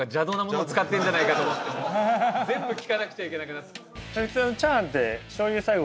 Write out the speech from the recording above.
全部聞かなくちゃいけなくなっちゃう普通